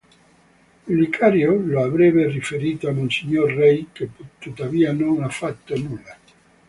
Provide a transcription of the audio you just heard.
Il vicario lo avrebbe riferito a monsignor Rey che tuttavia non ha fatto nulla.